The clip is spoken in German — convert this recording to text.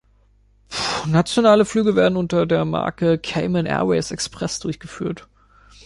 Nationale Flüge werden unter der Marke Cayman Airways Express durchgeführt.